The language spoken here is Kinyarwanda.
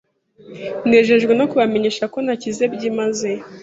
Nejejwe no kubamenyesha ko nakize byimazeyo.